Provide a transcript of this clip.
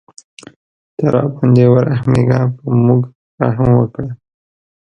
ته راباندې ورحمېږه په موږ رحم وکړه.